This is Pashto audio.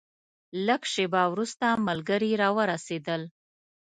لږه شېبه وروسته ملګري راورسېدل.